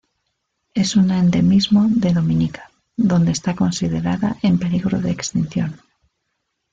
Es un endemismo de Dominica, donde está considerada en peligro de extinción.